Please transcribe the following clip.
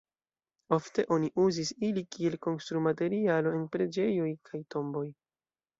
Ofte oni uzis ili kiel konstrumaterialo en preĝejoj kaj tomboj.